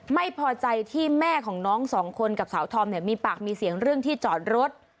ไม่พอใจที่แม่ของน้องสองคนกับสาวธอมเนี่ยมีปากมีเสียงเรื่องที่จอดรถ